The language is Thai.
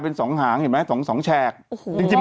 ๒หรือ๓หวะอย่างนี้